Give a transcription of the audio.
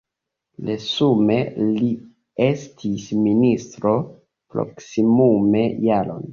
Resume li estis ministro proksimume jaron.